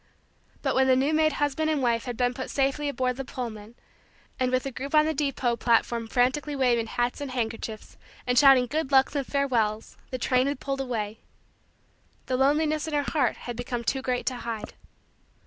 But when the new made husband and wife had been put safely aboard the Pullman, and, with the group on the depot platform frantically waving hats and handkerchiefs and shouting good lucks and farewells, the train had pulled away, the loneliness in her heart had become too great to hide.